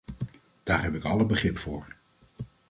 Daar heb ik alle begrip voor.